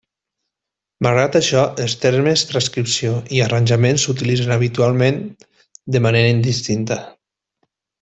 Malgrat això, els termes transcripció i arranjament s'utilitzen habitualment de manera indistinta.